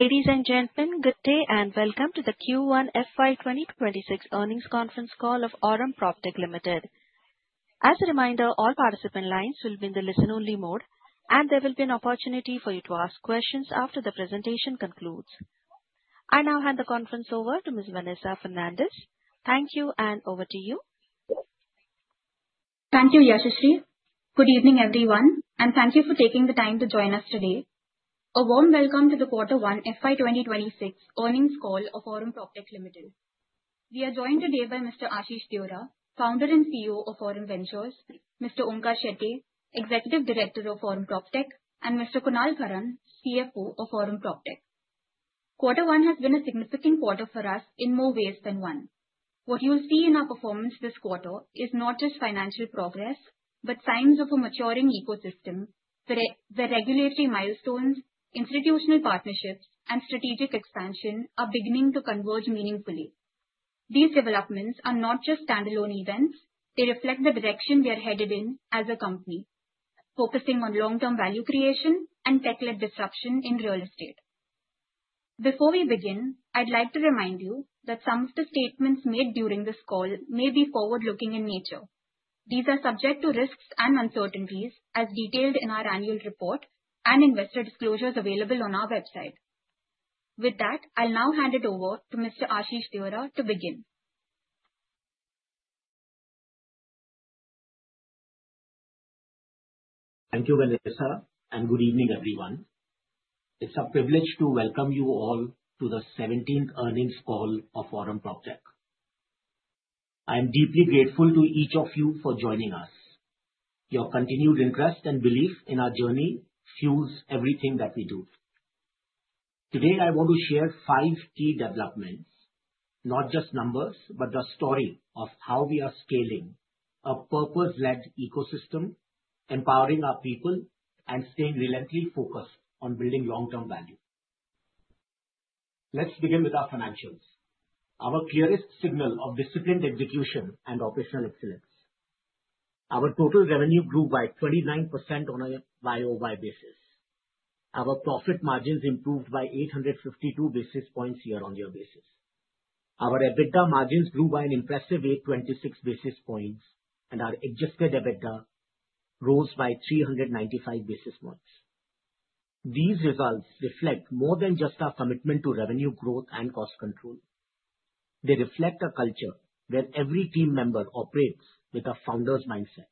Ladies and gentlemen, good day and welcome to the Q1 FY 2026 earnings conference call of Aurum PropTech Limited. As a reminder, all participant lines will be in the listen-only mode, and there will be an opportunity for you to ask questions after the presentation concludes. I now hand the conference over to Ms. Vanessa Fernandes. Thank you and over to you. Thank you, Yashishti. Good evening, everyone, and thank you for taking the time to join us today. A warm welcome to the Quarter One, FY 2026 earnings call of Aurum PropTech Limited. We are joined today by Mr. Ashish Deora, Founder and CEO of Aurum Ventures, Mr. Onkar Shetye, Executive Director of Aurum PropTech, and Mr. Kunal Karan, CFO of Aurum PropTech. Quarter One has been a significant quarter for us in more ways than one. What you will see in our performance this quarter is not just financial progress, but signs of a maturing ecosystem where regulatory milestones, institutional partnerships, and strategic expansion are beginning to converge meaningfully. These developments are not just standalone events, they reflect the direction we are headed in as a company, focusing on long-term value creation and tech-led disruption in real estate. Before we begin, I'd like to remind you that some of the statements made during this call may be forward-looking in nature. These are subject to risks and uncertainties, as detailed in our annual report and investor disclosures available on our website. With that, I'll now hand it over to Mr. Ashish Deora to begin. Thank you, Vanessa, and good evening, everyone. It's a privilege to welcome you all to the 17th earnings call of Aurum PropTech Limited. I am deeply grateful to each of you for joining us. Your continued interest and belief in our journey fuels everything that we do. Today, I want to share five key developments, not just numbers, but the story of how we are scaling a purpose-led ecosystem, empowering our people, and staying relentlessly focused on building long-term value. Let's begin with our financials, our clearest signal of disciplined execution and operational excellence. Our total revenue grew by 39% on a year-by-year basis. Our profit margins improved by 852 basis points year-on-year. Our EBITDA margins grew by an impressive 826 basis points, and our adjusted EBITDA rose by 395 basis points. These results reflect more than just our commitment to revenue growth and cost control. They reflect a culture where every team member operates with a founder's mindset.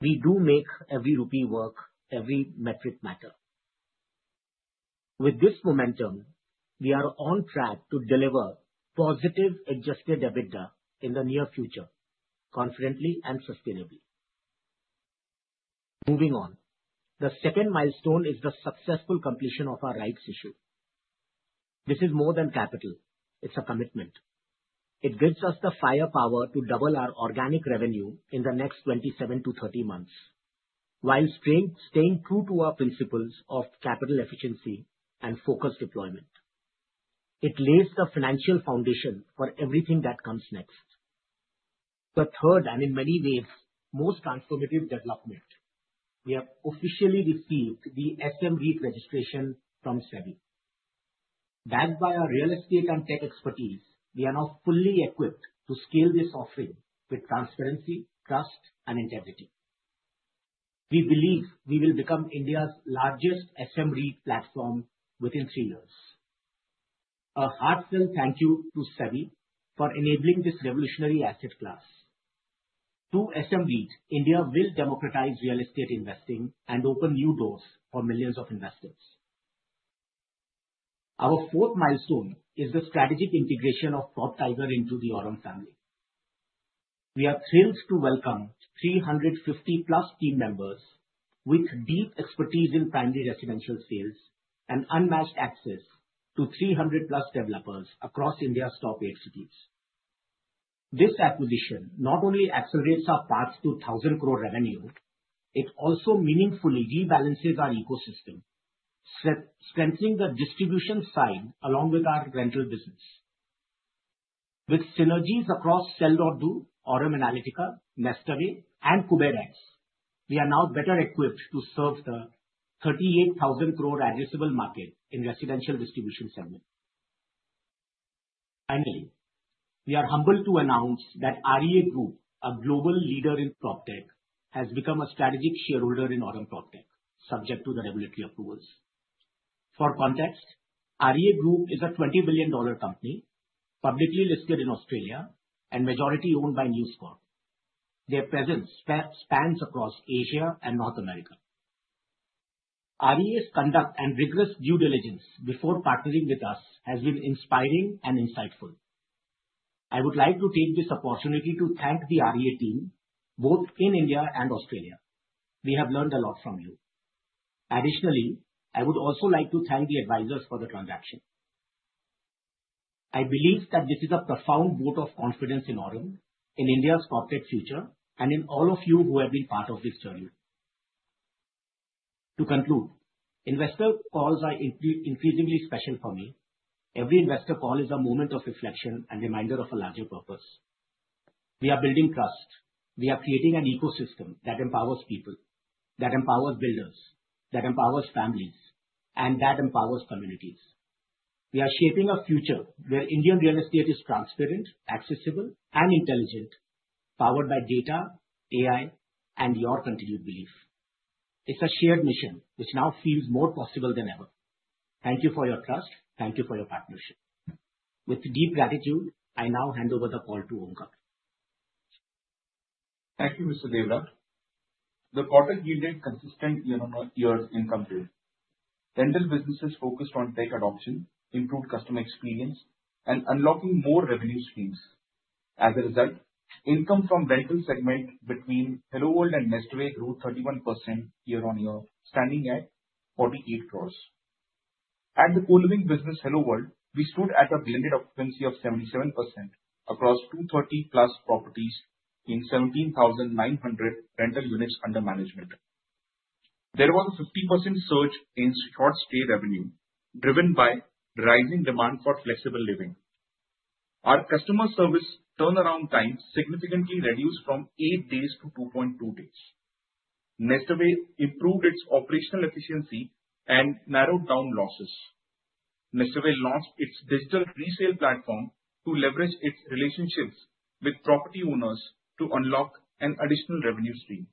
We do make every rupee work; every metric matters. With this momentum, we are on track to deliver positive adjusted EBITDA in the near future, confidently and sustainably. Moving on, the second milestone is the successful completion of our rights issue. This is more than capital, it's a commitment. It gives us the firepower to double our organic revenue in the next 27-30 months, while staying true to our principles of capital efficiency and focused deployment. It lays the financial foundation for everything that comes next. The third, and in many ways, most transformative development, we have officially received the SM REIT registration from Sweden. Backed by our real estate and tech expertise, we are now fully equipped to scale this offering with transparency, trust, and integrity. We believe we will become India's largest SM REIT platform within three years. A heartfelt thank you to Sweden for enabling this revolutionary asset class. Through SM REIT, India will democratize real estate investing and open new doors for millions of investors. Our fourth milestone is the strategic integration of PropTiger into the Aurum family. We are thrilled to welcome 350+ team members with deep expertise in primary residential sales and unmatched access to 300+ developers across India's top eight cities. This acquisition not only accelerates our path to 1,000 crore revenue, it also meaningfully rebalances our ecosystem, strengthening the distribution segment along with our rental business. With synergies across Sell.Do, Aurum Analytica, Nestore, and Aurum WiseX, we are now better equipped to serve the 38,000-core addressable market in the residential distribution segment. Finally, we are humbled to announce that REA Group, a global leader in PropTech, has become a strategic shareholder in Aurum PropTech, subject to the regulatory approvals. For context, REA Group is a $20 billion company, publicly listed in Australia and majority owned by News Corp. Their presence spans across Asia and North America. REA's conduct and rigorous due diligence before partnering with us have been inspiring and insightful. I would like to take this opportunity to thank the REA team, both in India and Australia. We have learned a lot from you. Additionally, I would also like to thank the advisors for the transaction. I believe that this is a profound vote of confidence in Aurum, in India's PropTech future, and in all of you who have been part of this journey. To conclude, investor calls are increasingly special for me. Every investor call is a moment of reflection and reminder of a larger purpose. We are building trust. We are creating an ecosystem that empowers people, that empowers builders, that empowers families, and that empowers communities. We are shaping a future where Indian real estate is transparent, accessible, and intelligent, powered by data, AI, and your continued belief. It's a shared mission which now feels more possible than ever. Thank you for your trust. Thank you for your partnership. With deep gratitude, I now hand over the call to Onkar. Thank you, Mr. Deora. The quarter yielded consistent year-on-year income growth. Rental businesses focused on tech adoption improved customer experience and unlocked more revenue streams. As a result, income from the rental segment between Hello World and Nestore grew 31% year-on-year, standing at 48 crore. At the co-living business Hello World, we stood at a blended occupancy of 77% across 230+ properties in 17,900 rental units under management. There was a 50% surge in short-stay revenue driven by rising demand for flexible living. Our customer service turnaround times significantly reduced from 8 days to 2.2 days. Nestore improved its operational efficiency and narrowed down losses. Nestore launched its digital resale platform to leverage its relationships with property owners to unlock an additional revenue stream.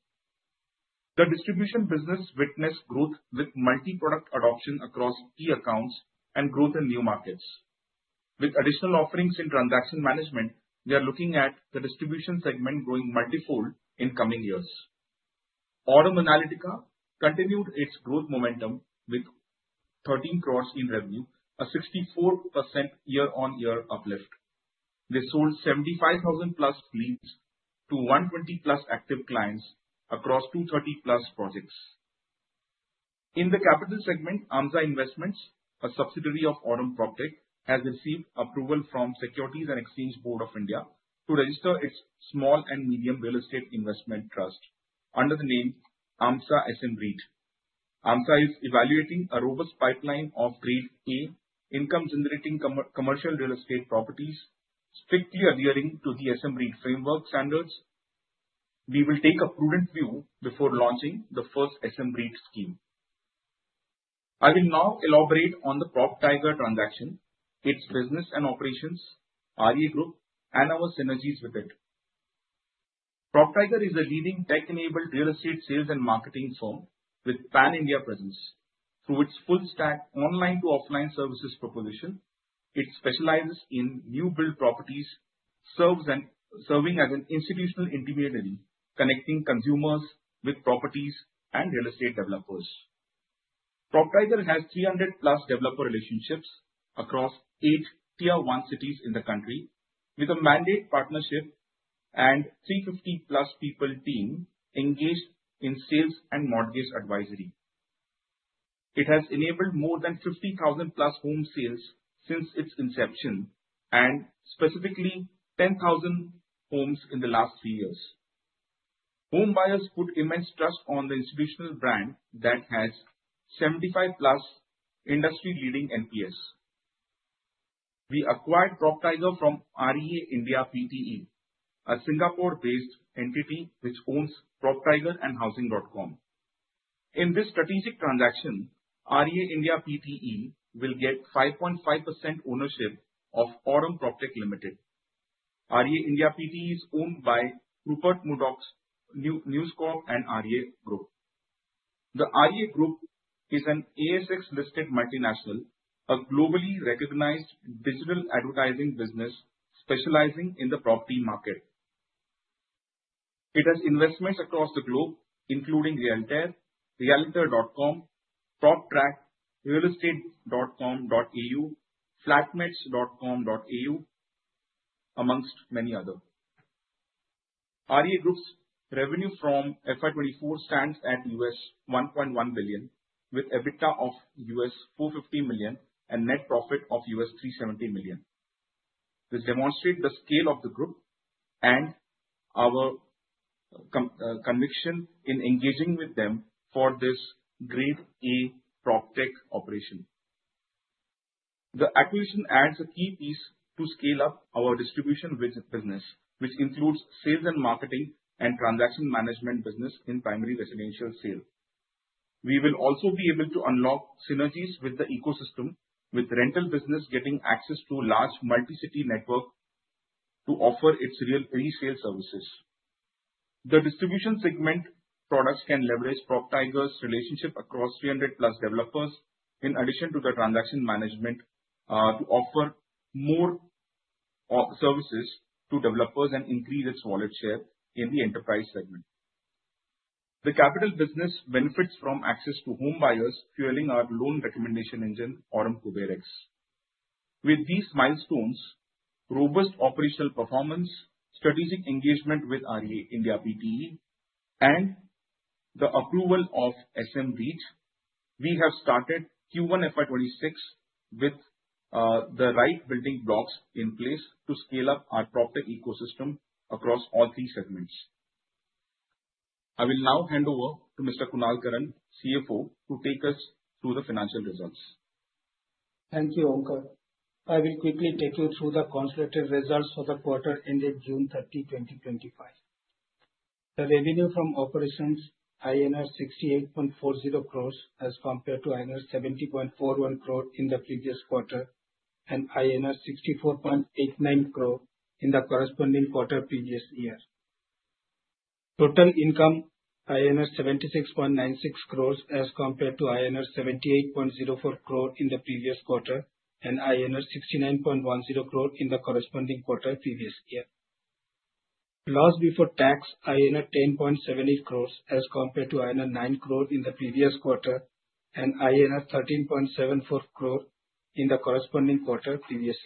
The distribution segment witnessed growth with multi-product adoption across key accounts and growth in new markets. With additional offerings in transaction management capabilities, we are looking at the distribution segment growing multifold in coming years. Aurum Analytica continued its growth momentum with 13 crore in revenue, a 64% year-on-year uplift. We sold 75,000+ leads to 120+ active clients across 230+ projects. In the capital segment, Amza Investments, a subsidiary of Aurum PropTech Limited, has received approval from the Securities and Exchange Board of India to register its small and medium real estate investment trust under the name Amza SMREIT. Amza is evaluating a robust pipeline of Grade A income-generating commercial real estate properties strictly adhering to the SM REIT framework standards. We will take a prudent view before launching the first SM REIT scheme. I will now elaborate on the PropTiger transaction, its business and operations, REA Group, and our synergies with it. PropTiger is a leading tech-enabled real estate sales and marketing firm with a pan-India presence. Through its full-stack online-to-offline services proposition, it specializes in new-build properties, serving as an institutional intermediary connecting consumers with properties and real estate developers. PropTiger has 300+ developer relationships across eight Tier 1 cities in the country, with a mandate partnership and a 350+ people team engaged in sales and mortgage advisory. It has enabled more than 50,000+ home sales since its inception and specifically 10,000 homes in the last three years. Home buyers put immense trust on the institutional brand that has 75+ industry-leading NPS. We acquired PropTiger from REA India PTE, a Singapore-based entity which owns PropTiger and Housing.com. In this strategic transaction, REA India PTE will get 5.5% ownership of Aurum PropTech Limited. REA India PTE is owned by Rupert Murdoch's News Corp and REA Group. The REA Group is an ASX-listed multinational, a globally recognized digital advertising business specializing in the property market. It has investments across the globe, including Realtor, Realtor.com, PropTrack, RealEstate.com.au, FlatMatch.com.au, amongst many others. REA Group's revenue from FY 2024 stands at $1.1 billion, with EBITDA of $450 million and net profit of $370 million. This demonstrates the scale of the group and our conviction in engaging with them for this Grade A PropTech operation. The acquisition adds a key piece to scale up our distribution segment, which includes sales and marketing and transaction management business in primary residential sale. We will also be able to unlock synergies with the ecosystem, with rental businesses getting access to a large multi-city network to offer its real pre-sale services. The distribution segment products can leverage PropTiger's relationship across 300+ developers, in addition to the transaction management, to offer more services to developers and increase its wallet share in the enterprise segment. The capital segment benefits from access to home buyers, fueling our loan recommendation engine Aurum CooperX. With these milestones: robust operational performance, strategic engagement with REA India PTE, and the approval of SM REIT, we have started Q1 FY 2026 with the right building blocks in place to scale up our PropTech ecosystem across all three segments. I will now hand over to Mr. Kunal Karan, CFO, to take us through the financial results. Thank you, Onkar. I will quickly take you through the consolidated results for the quarter ending June 30, 2025. The revenue from operations, INR 68.40 crores as compared to INR 70.41 crores in the previous quarter, and INR 64.89 crores in the corresponding quarter previous year. Total income, INR 76.96 crores as compared to INR 78.04 crores in the previous quarter, and INR 69.10 crores in the corresponding quarter previous year. Loss before tax, INR 10.78 crores as compared to INR 9 crores in the previous quarter, and INR 13.74 crores in the corresponding quarter previous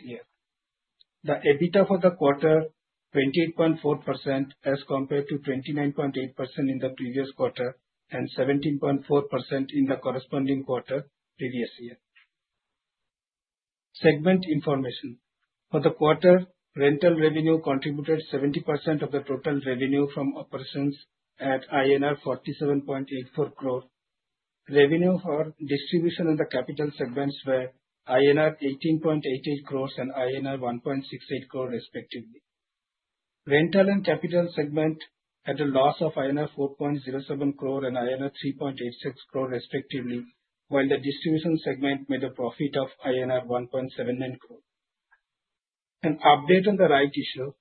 year. The EBITDA for the quarter, 28.4% as compared to 29.8% in the previous quarter, and 17.4% in the corresponding quarter previous year. Segment information. For the quarter, rental revenue contributed 70% of the total revenue from operations at INR 47.84 crores. Revenue for distribution and the capital segments were INR 18.88 crores and INR 1.68 crores respectively. Rental and capital segment had a loss of INR 4.07 crores and INR 3.86 crores respectively, while the distribution segment made a profit of INR 1.79 crores. An update on the rights issue,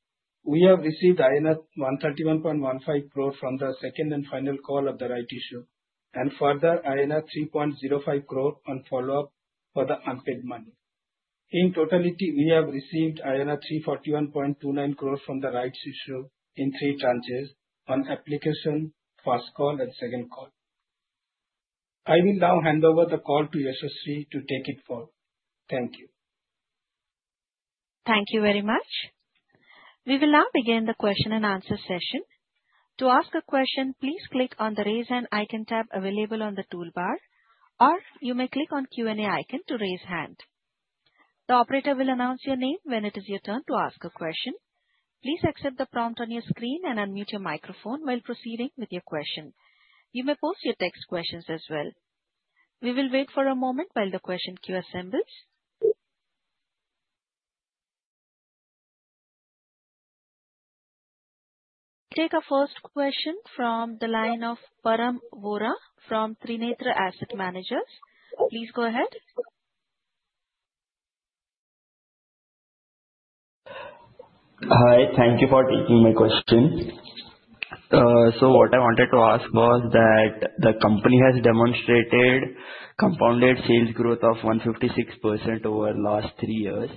we have received 131.15 crores from the second and final call of the rights issue, and further 3.05 crores on follow-up for the unpaid money. In totality, we have received 341.29 crores from the rights issue in three tranches on application, first call, and second call. I will now hand over the call to Ashish to take it forward. Thank you. Thank you very much. We will now begin the question-and-answer session. To ask a question, please click on the raise hand icon tab available on the toolbar, or you may click on the Q&A icon to raise your hand. The operator will announce your name when it is your turn to ask a question. Please accept the prompt on your screen and unmute your microphone while proceeding with your question. You may post your text questions as well. We will wait for a moment while the question queue assembles. We will take our first question from the line of Param Vora from Trinetra Asset Managers. Please go ahead. Hi. Thank you for taking my question. What I wanted to ask was that the company has demonstrated compounded sales growth of 156% over the last three years.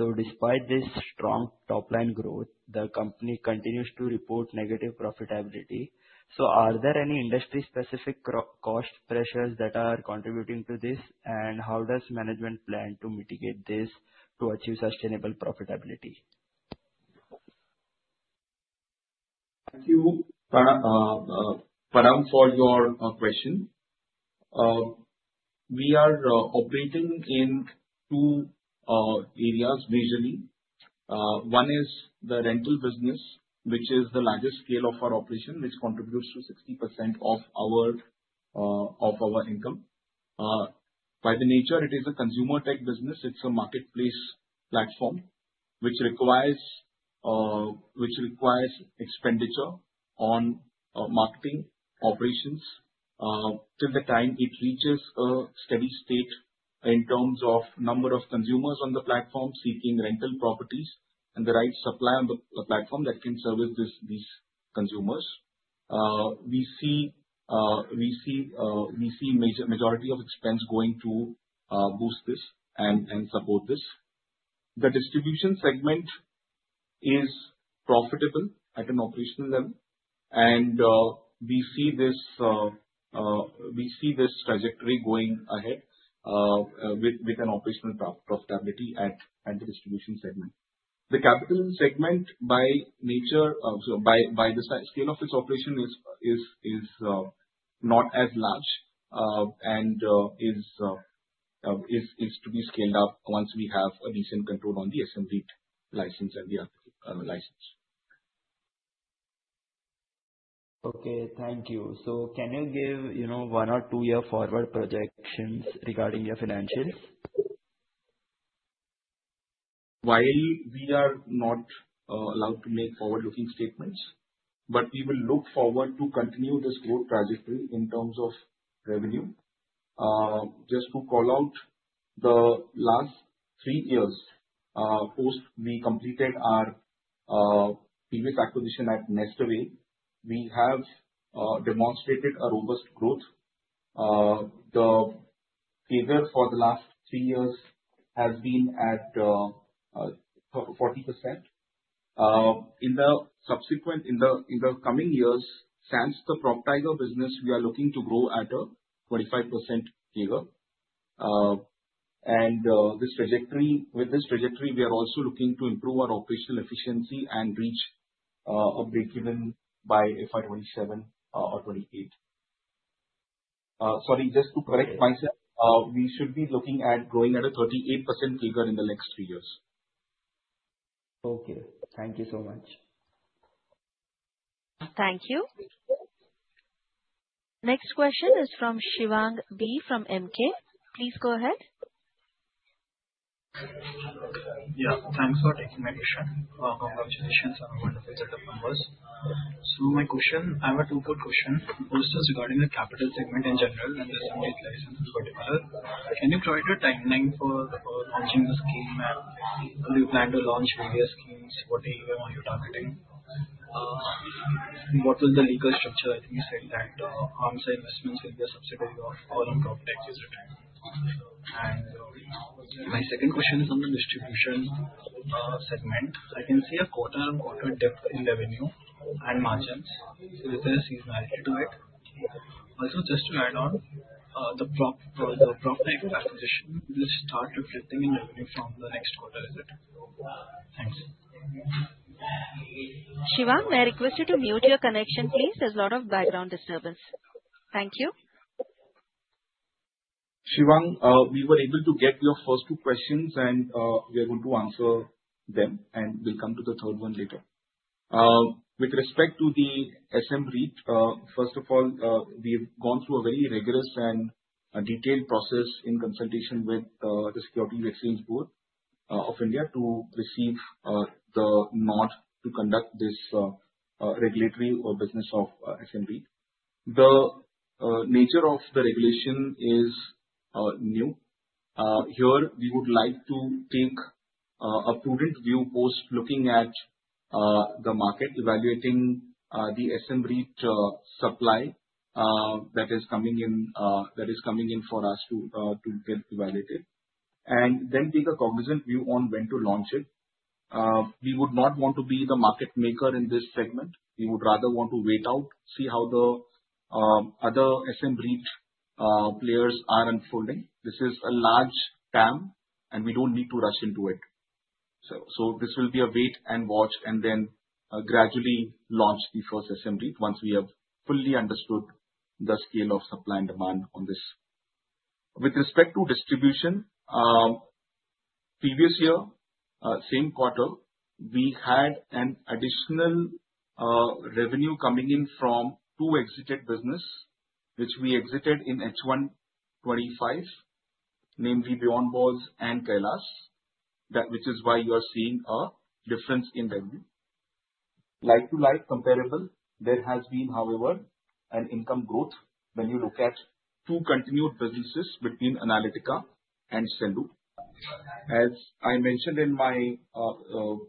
Despite this strong top-line growth, the company continues to report negative profitability. Are there any industry-specific cost pressures that are contributing to this, and how does management plan to mitigate this to achieve sustainable profitability? Thank you, Param, for your question. We are operating in two areas majorly. One is the rental business, which is the largest scale of our operation, which contributes to 60% of our income. By the nature, it is a consumer tech business. It's a marketplace platform which requires expenditure on marketing operations till the time it reaches a steady state in terms of the number of consumers on the platform seeking rental properties and the right supply on the platform that can service these consumers. We see a majority of expense going to boost this and support this. The distribution segment is profitable at an operational level, and we see this trajectory going ahead with an operational profitability at the distribution segment. The capital segment, by nature, by the scale of its operation, is not as large and is to be scaled up once we have a decent control on the SM REIT license and the license. Okay. Thank you. Can you give, you know, one or two-year forward projections regarding your financials? While we are not allowed to make forward-looking statements, we will look forward to continuing this growth trajectory in terms of revenue. Just to call out the last three years, post we completed our previous acquisition at Nestore, we have demonstrated a robust growth. The CAGR for the last three years has been at 40%. In the coming years, since the PropTiger business, we are looking to grow at a 25% CAGR. With this trajectory, we are also looking to improve our operational efficiency and reach a break even by FY 2027 or 2028. Sorry, just to correct myself, we should be looking at growing at a 38% CAGR in the next three years. Okay, thank you so much. Thank you. Next question is from Shivang B. from MK. Please go ahead. Yes. Thanks for taking my question. Congratulations on the number. I have a two-part question also regarding the capital segment in general and the rental license for PropTiger. Can you provide your timeline for the proposing scheme? How do you plan to launch various schemes? What are you targeting? What is the legal structure? I think you said that onsite listings in the subsequent launch all on PropTiger at the time. My second question is on the distribution segment. I can see a quarter-on-quarter depth in revenue and margins. Is there a seasonality to it? Also, just to add on, the PropTiger acquisition will start to sustain revenue from the next quarter. Shivang, may I request you to mute your connection, please? There's a lot of background disturbance. Thank you. Shivang, we were able to get your first two questions, and we are going to answer them, and we'll come to the third one later. With respect to the SM REIT, first of all, we've gone through a very rigorous and detailed process in consultation with the Securities and Exchange Board of India to receive the nod to conduct this regulatory business of SM REIT. The nature of the regulation is new. Here, we would like to take a prudent view post looking at the market, evaluating the SM REIT supply that is coming in for us to get evaluated, and then take a cognizant view on when to launch it. We would not want to be the market maker in this segment. We would rather want to wait out, see how the other SM REIT players are unfolding. This is a large TAM, and we don't need to rush into it. This will be a wait and watch, and then gradually launch the first SM REIT once we have fully understood the scale of supply and demand on this. With respect to distribution, previous year, same quarter, we had an additional revenue coming in from two exited businesses, which we exited in H1-2025, namely Beyond Balls and Kailas, which is why you are seeing a difference in revenue. Like to like comparable, there has been, however, an income growth when you look at two continued businesses between Analytica and Sendu. As I mentioned in my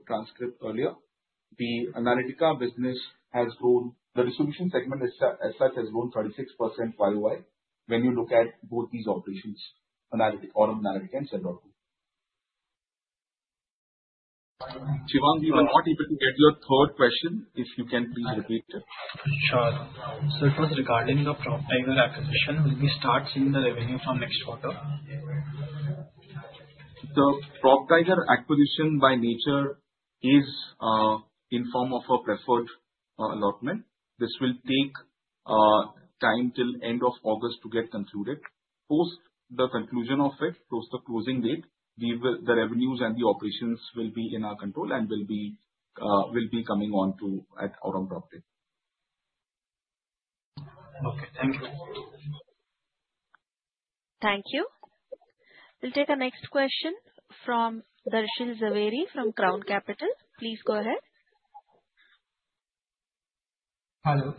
transcript earlier, the Analytica business has grown. The distribution segment as such has grown 36% while when you look at both these operations, Analytica and Sendu. Shivang, we are not able to get your third question, if you can please repeat it. Sure. For the regarding the PropTiger acquisition, will we start seeing the revenue from next quarter? The PropTiger acquisition, by nature, is in form of a preferred allotment. This will take time till the end of August to get concluded. Post the conclusion of it, post the closing date, the revenues and the operations will be in our control and will be coming on to Aurum PropTech. Thank you. We'll take our next question from Darshan Jhaveri from Crown Capital. Please go ahead. Hello.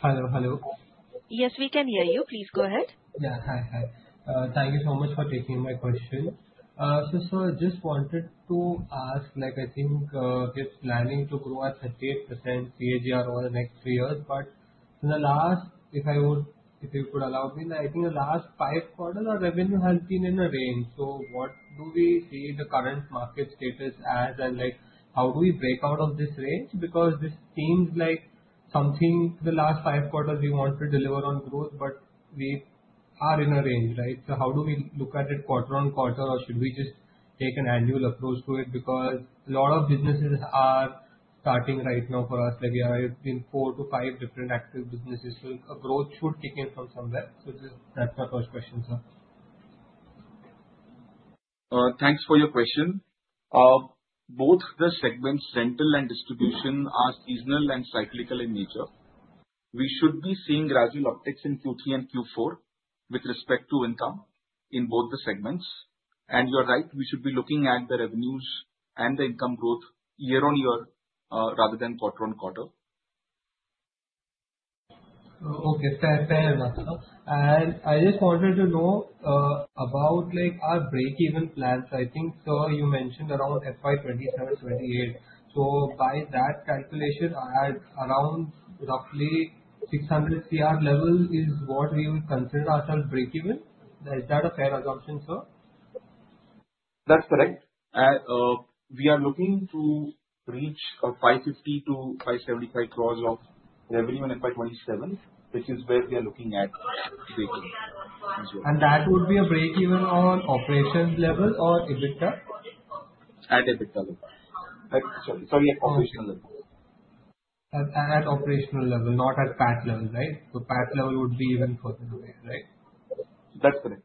Hello, hello. Yes, we can hear you. Please go ahead. Yeah. Hi, hi. Thank you so much for taking my question. Sir, I just wanted to ask, like I think we're planning to grow at 38% CAGR over the next three years, but in the last, if you could allow me, I think the last five quarters, our revenue has been in the range. What do we see in the current market status as, and how do we break out of this range? This seems like something the last five quarters we want to deliver on growth, but we are in a range, right? How do we look at it quarter on quarter, or should we just take an annual approach to it? A lot of businesses are starting right now for us. We are in four to five different active businesses, so a growth should kick in from somewhere. That's my first question. Thanks for your question. Both the segments, rental and distribution, are seasonal and cyclical in nature. We should be seeing gradual upticks in Q3 and Q4 with respect to income in both the segments. You're right, we should be looking at the revenues and the income growth year-on-year rather than quarter on quarter. Okay. Fair enough. I just wanted to know about our break-even plans. I think, sir, you mentioned around FY 2027-2028. By that calculation, I had around roughly 600 crore level is what we would consider ourselves break-even. Is that a fair assumption, sir? That's correct. We are looking to reach 550-575 crore of revenue in FY 2027, which is where we are looking at. Would that be a break-even on operations level or EBITDA? At EBITDA level, sorry, at operational level. At operational level, not at patch level, right? Patch level would be even further away, right? That's correct.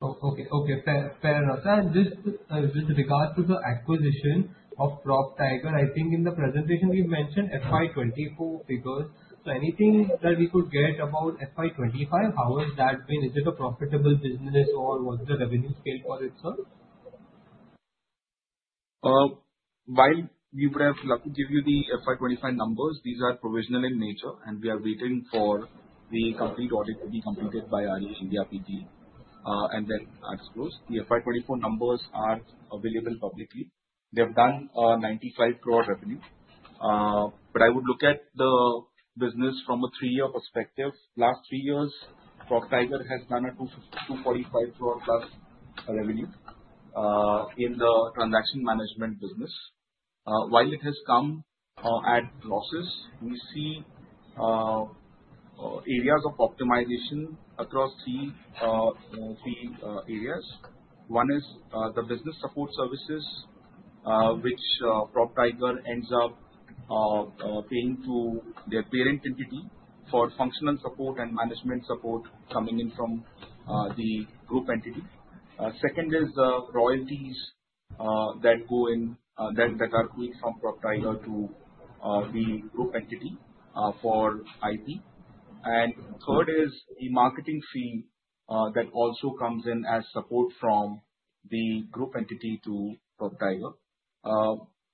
Okay. Fair enough. Just with regards to the acquisition of PropTiger, I think in the presentation we mentioned FY 2024 figures. Is there anything that we could get about FY 2025, how has that been? Is it a profitable business, or what's the revenue scale for it, sir? While we would have to give you the FY 2025 numbers, these are provisional in nature, and we are waiting for the complete audit to be completed by REA India PTE. After that, the FY 2024 numbers are available publicly. They have done 95 crore revenue. I would look at the business from a three-year perspective. Last three years, PropTiger has done 245+ crore revenue in the transaction management business. While it has come at losses, we see areas of optimization across three areas. One is the business support services, which PropTiger ends up paying to their parent entity for its functional support and management support coming in from the group entity. The second is the royalties that go in that are queued from PropTiger to the group entity for IP. The third is the marketing fee that also comes in as support from the group entity to PropTiger.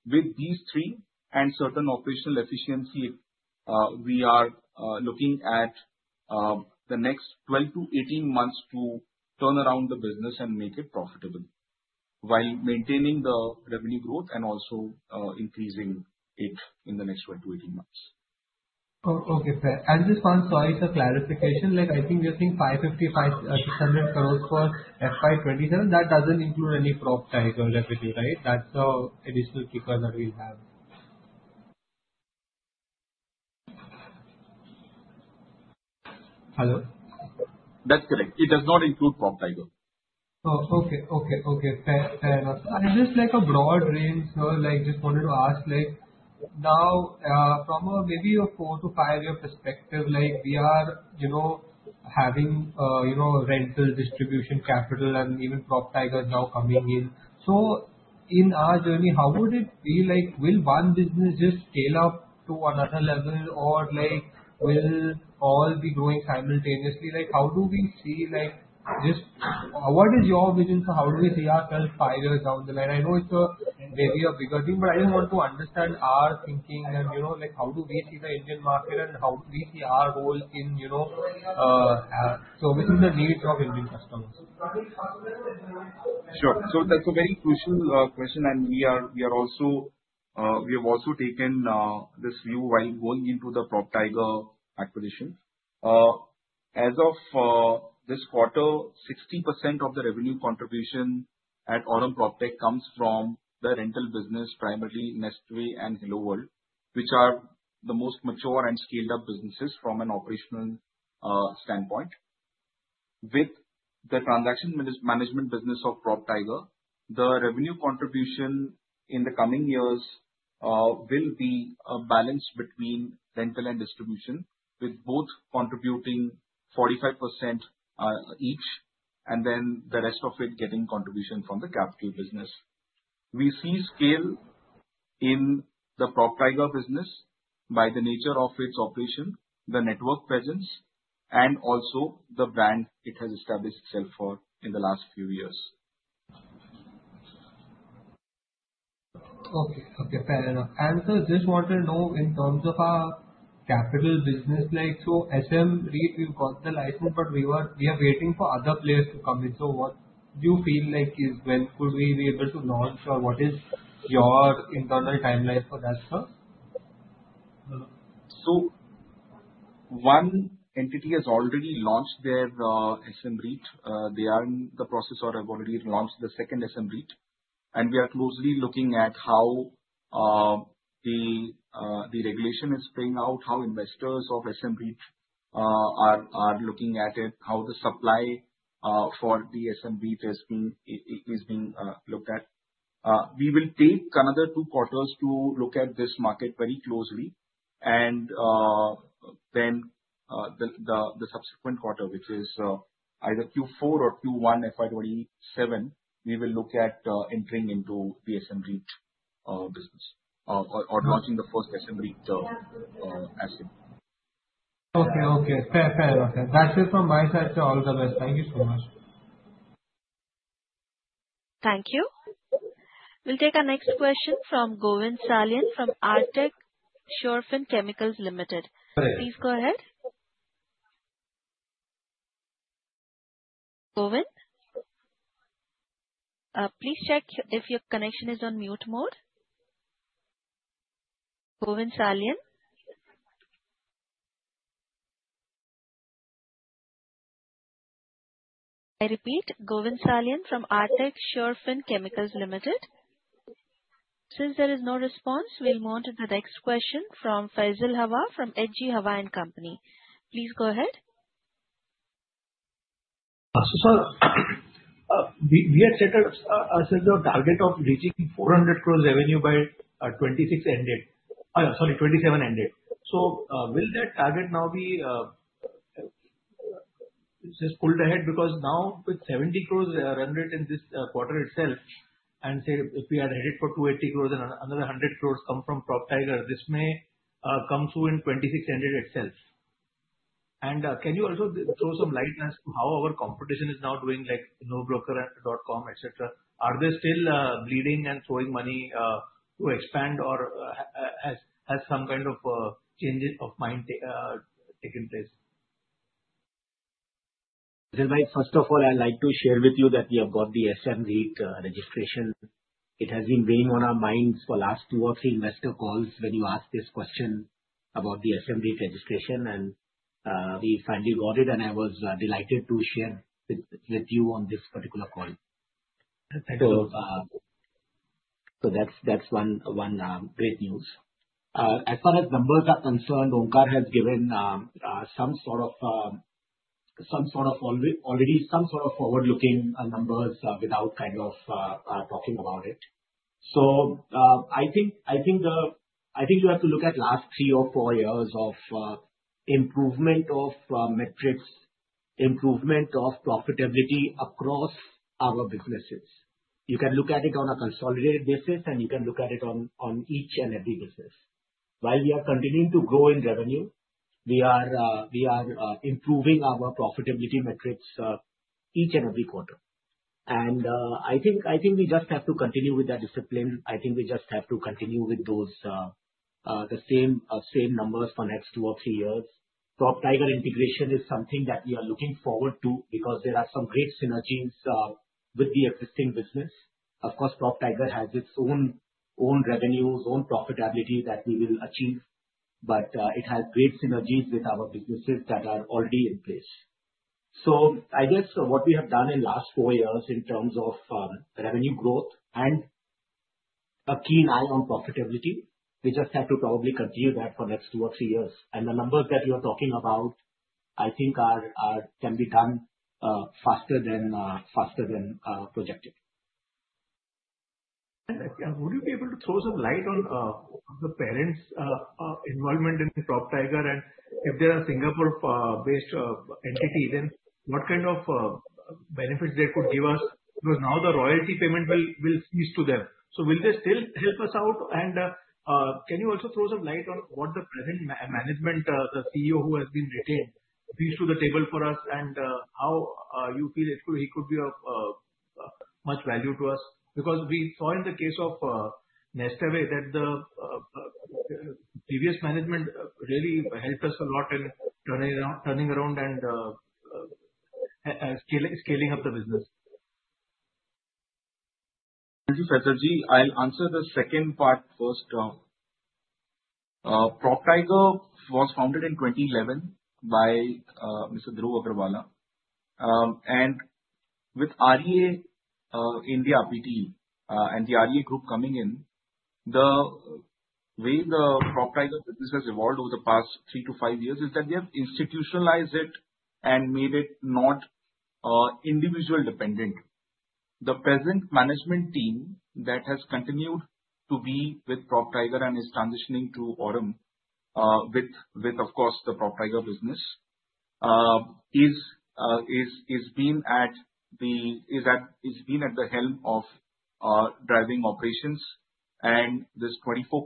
With these three and certain operational efficiency, we are looking at the next 12-18 months to turn around the business and make it profitable while maintaining the revenue growth and also increasing it in the next 12-18 months. Okay. Fair. Just one side, sir, clarification. I think we are seeing 550-575 crores for FY 2027. That doesn't include any PropTiger's equity, right? That's the additional key fund that we have. Hello? That's correct. It does not include PropTiger. Oh, okay. Okay. Okay. Fair enough. Is this like a broad range, sir? I just wanted to ask, like now from maybe a four to five-year perspective, we are, you know, having, you know, rental, distribution, capital, and even PropTiger now coming in. In our journey, how would it be? Will one business just scale up to another level, or will all be growing simultaneously? How do we see, like, just what is your vision for how do we see ourselves five years down the line? I know it's a very bigger view, but I just want to understand our thinking and, you know, like how do we see the Indian market and how do we see our role in, you know, serving the needs of Indian customers? Sure. That's a very crucial question. We have also taken this view while going into the PropTiger acquisition. As of this quarter, 60% of the revenue contribution at Aurum PropTech comes from the rental business, primarily Nestore and Hello World, which are the most mature and scaled-up businesses from an operational standpoint. With the transaction management business of PropTiger, the revenue contribution in the coming years will be a balance between rental and distribution, with both contributing 45% each, and the rest of it getting contribution from the capital business. We see scale in the PropTiger business by the nature of its operation, the network presence, and also the brand it has established itself for in the last few years. Okay. Fair enough. Sir, I just want to know in terms of our capital business, like SM REIT, we've got the license, but we are waiting for other players to come in. What do you feel like is when could we be able to launch? What is your internal timeline for that, sir? One entity has already launched their SM REIT. They are in the process of already launching the second SM REIT. We are closely looking at how the regulation is playing out, how investors of SM REIT are looking at it, how the supply for the SM REIT is being looked at. We will take another two quarters to look at this market very closely. In the subsequent quarter, which is either Q4 or Q1 FY 2027, we will look at entering into the SM REIT business or launching the first SM REIT as well. Okay. Okay. Fair enough. That's it from my side, sir. All the best. Thank you so much. Thank you. We'll take our next question from Govind Salian from Artek Shorefin Chemicals Limited. Please go ahead. Govind, please check if your connection is on mute mode. Govind Salian. I repeat, Govind Salian from Artek Shorefin Chemicals Limited. Since there is no response, we'll move on to the next question from Faisal Hawa from EDGI Hawa & Company. Please go ahead. Sir, we had said that as your target of reaching 400 crore revenue by 2026, sorry, 2027. Will that target now be just pulled ahead? Because now with 70 crore rendered in this quarter itself, and say if we are headed for 280 crore and another 100 crore come from PropTiger, this may come through in 2026 itself. Can you also throw some light as to how our competition is now doing, like Nobroker.com, etc.? Are they still bleeding and throwing money to expand, or has some kind of change of mind taken place? First of all, I'd like to share with you that we have got the SM REIT registration. It has been weighing on our minds for the last two or three investor calls when you asked this question about the SM REIT registration. We finally got it, and I was delighted to share with you on this particular call. That's one great news. As far as numbers are concerned, Onkar has given some sort of already some sort of forward-looking numbers without kind of talking about it. You have to look at the last three or four years of improvement of metrics, improvement of profitability across our businesses. You can look at it on a consolidated basis, and you can look at it on each and every business. While we are continuing to grow in revenue, we are improving our profitability metrics each and every quarter. I think we just have to continue with that discipline. We just have to continue with those same numbers for the next two or three years. PropTiger integration is something that we are looking forward to because there are some great synergies with the existing business. Of course, PropTiger has its own revenues, own profitability that we will achieve, but it has great synergies with our businesses that are already in place. What we have done in the last four years in terms of revenue growth and a keen eye on profitability, we just have to probably continue that for the next two or three years. The numbers that you're talking about, I think can be done faster than projected. Would you be able to throw some light on the parents' involvement in PropTiger? If they're a Singapore-based entity, then what kind of benefits they could give us? Now the royalty payment will cease to them. Will they still help us out? Can you also throw some light on what the present management, the CEO who has been retained, brings to the table for us and how you feel he could be of much value to us? We saw in the case of Nestore that the previous management really helped us a lot in turning around and scaling up the business. Thank you, Faisal G. I'll answer the second part first. PropTiger was founded in 2011 by Mr. Dhruv Agarwala. With REA India PTE and the REA Group coming in, the way the PropTiger business has evolved over the past three to five years is that they have institutionalized it and made it not individual dependent. The present management team that has continued to be with PropTiger and is transitioning to Aurum, with, of course, the PropTiger business being at the helm of driving operations and this 24%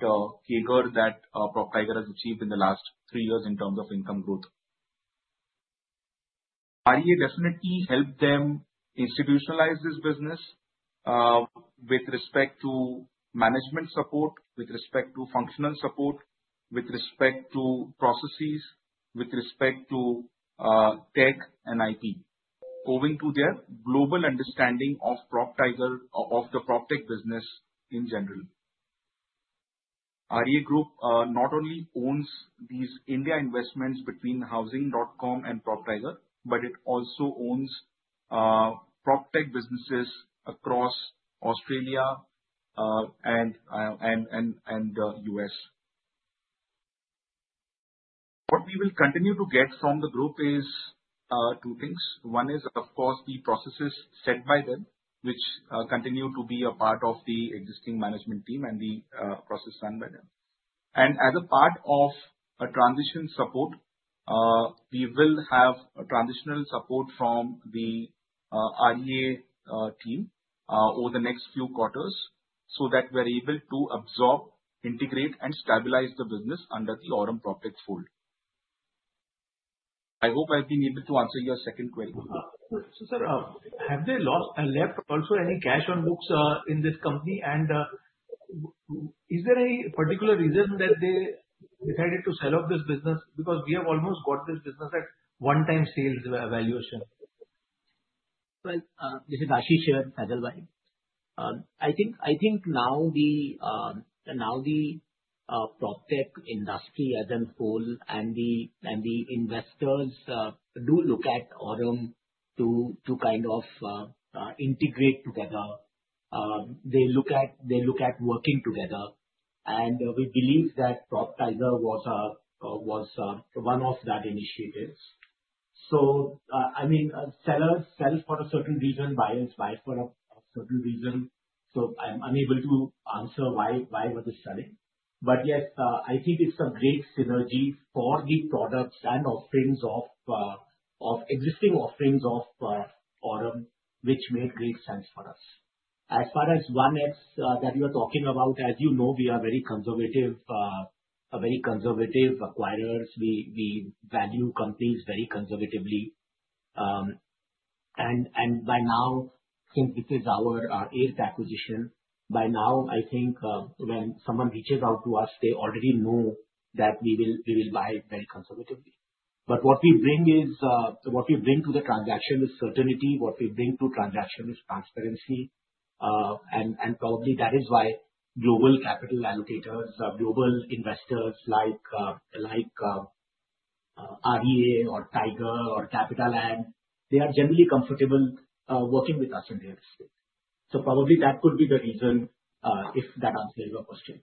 CAGR that PropTiger has achieved in the last three years in terms of income growth. REA definitely helped them institutionalize this business with respect to management support, with respect to functional support, with respect to processes, with respect to tech and IP, owing to their global understanding of PropTiger, of the PropTech business in general. REA Group not only owns these India investments between Housing.com and PropTiger, but it also owns PropTech businesses across Australia and the U.S. What we will continue to get from the group is two things. One is, of course, the processes set by them, which continue to be a part of the existing management team and the processes done by them. As a part of transition support, we will have transitional support from the REA team over the next few quarters so that we're able to absorb, integrate, and stabilize the business under Aurum PropTech's fold. I hope I've been able to answer your second question. Sir, have they lost enough, also, any cash on books in this company? Is there any particular reason that they decided to sell off this business? We have almost got this business at one-time sales value, sir. This is Ashish Deora. I think now the PropTech industry as a whole and the investors do look at Aurum to kind of integrate together. They look at working together. We believe that PropTiger was one of that initiative. Sellers sell for a certain reason, buyers buy for a certain reason. I'm unable to answer why we're just selling. Yes, I think it's a great synergy for the products and offerings of existing offerings of Aurum, which made great sense for us. As far as 1X that we are talking about, as you know, we are very conservative, very conservative acquirers. We value companies very conservatively. By now, since this is our eighth acquisition, by now, I think when someone reaches out to us, they already know that we will buy very conservatively. What we bring to the transaction is certainty. What we bring to the transaction is transparency. Probably that is why global capital allocators, global investors like REA Group or Tiger or Capitaland, they are generally comfortable working with us in the industry. Probably that could be the reason if that answers your question.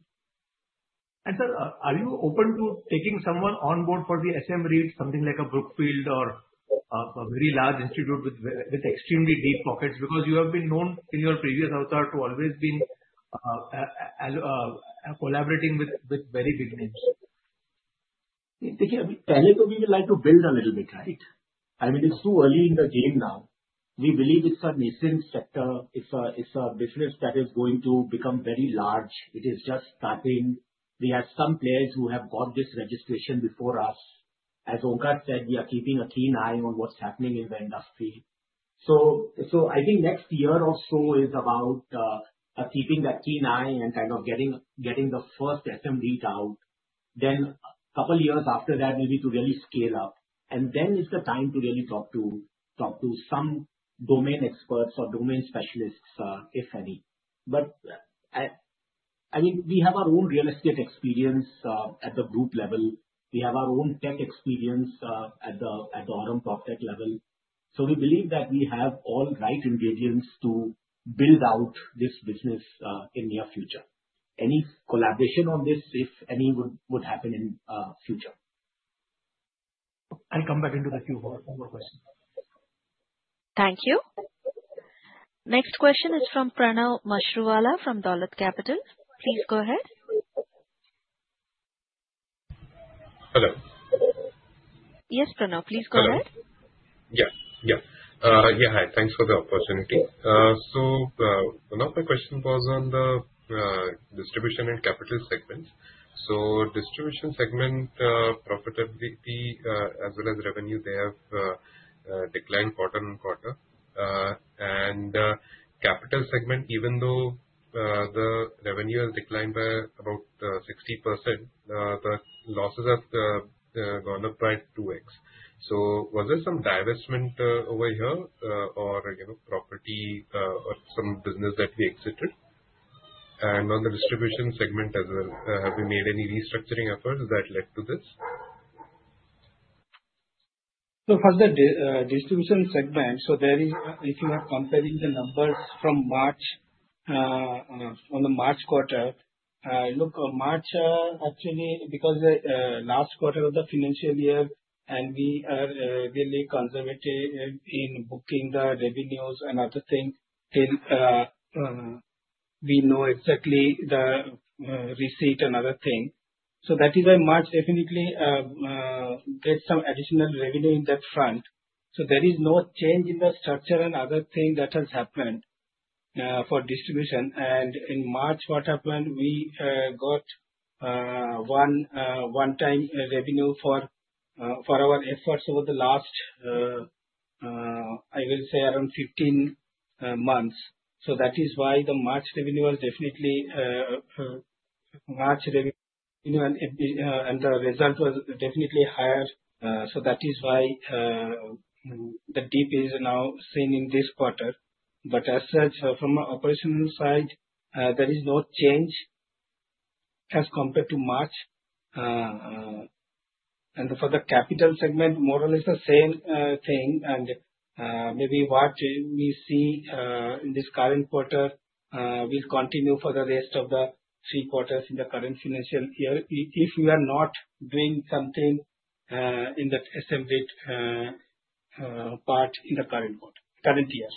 Sir, are you open to taking someone on board for the SM REIT, something like a Brookfield or a very large institute with extremely deep pockets? Because you have been known in your previous avatar to always be collaborating with very big names. Thank you. I think we would like to build a little bit, right? It's too early in the game now. We believe it's a nascent sector. It's a business that is going to become very large. It is just starting. We have some players who have got this registration before us. As Onkar said, we are keeping a keen eye on what's happening in the industry. I think next year or so is about keeping that keen eye and kind of getting the first SM REIT out. A couple of years after that, maybe to really scale up. It's the time to really talk to some domain experts or domain specialists, if any. We have our own real estate experience at the group level. We have our own tech experience at the Aurum PropTech level. We believe that we have all the right ingredients to build out this business in the near future. Any collaboration on this, if any, would happen in the future. I'll come back into the queue for one more question. Thank you. Next question is from Pranav Mashruwala from Dalit Capital. Please go ahead. Hello. Yes, Pranav. Please go ahead. Hi. Thanks for the opportunity. One of my questions was on the distribution and capital segments. Distribution segment profitability, as well as revenue, have declined quarter on quarter. In the capital segment, even though the revenue has declined by about 60%, the losses have gone up by 2X. Was there some divestment over here or, you know, property or some business that we exited? On the distribution segment, have we made any restructuring efforts that led to this? For the distribution segment, if you are comparing the numbers from the March quarter, March actually, because it is the last quarter of the financial year and we are really conservative in booking the revenues and other things, we know exactly the receipt and other things. That is why March definitely has some additional revenue in that front. There is no change in the structure and other things that have happened for distribution. In the March quarter plan, we got one-time revenue for our efforts over the last, I will say, around 15 months. That is why the March revenue was definitely March revenue, and the result was definitely higher. That is why the dip is now seen in this quarter. As such, from an operational side, there is no change as compared to March. For the capital segment, more or less the same thing. Maybe what we see in this current quarter will continue for the rest of the three quarters in the current financial year if we are not doing something in the SM REIT part in the current year.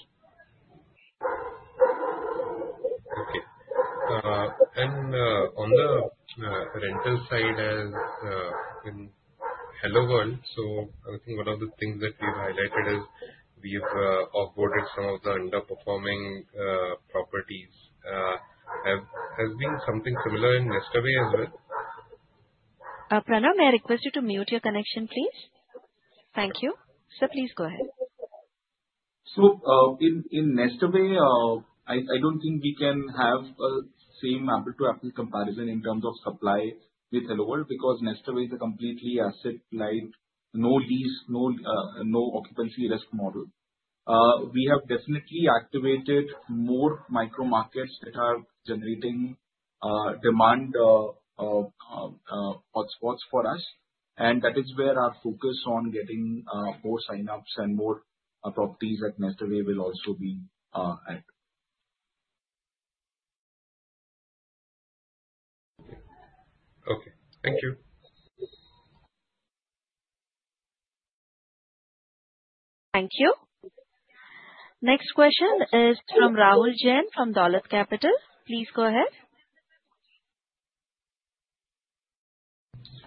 Okay. On the rental side, as Hello World, I think one of the things that we've highlighted is we've offboarded some of the underperforming properties. Has there been something similar in Nestore as well? Pranav, may I request you to mute your connection, please? Thank you. Sir, please go ahead. In Nestore, I don't think we can have a same apple-to-apple comparison in terms of supply with Hello World because Nestore is a completely asset-light, no lease, no occupancy risk model. We have definitely activated more micromarkets that are generating demand hotspots for us. That is where our focus on getting more signups and more properties at Nestore will also be at. Okay, thank you. Thank you. Next question is from Rahul Jain from Dolat Capital. Please go ahead.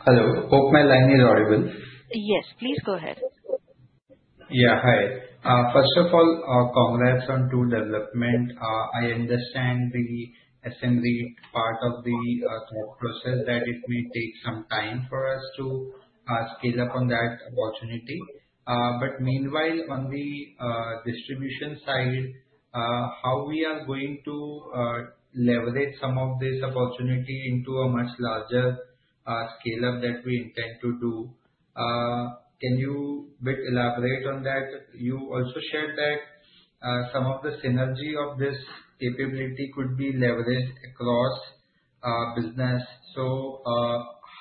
Hello. Hope my line is audible. Yes, please go ahead. Yeah. Hi. First of all, congrats on two developments. I understand the SM REIT part of the thought process that it will take some time for us to scale up on that opportunity. Meanwhile, on the distribution side, how are we going to leverage some of this opportunity into a much larger scale-up that we intend to do? Can you elaborate on that a bit? You also shared that some of the synergy of this capability could be leveraged across business.